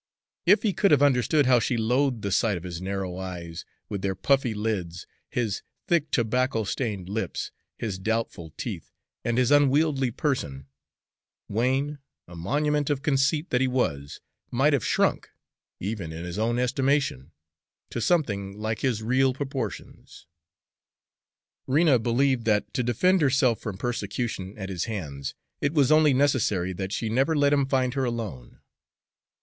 If he could have understood how she loathed the sight of his narrow eyes, with their puffy lids, his thick, tobacco stained lips, his doubtful teeth, and his unwieldy person, Wain, a monument of conceit that he was, might have shrunk, even in his own estimation, to something like his real proportions. Rena believed that, to defend herself from persecution at his hands, it was only necessary that she never let him find her alone.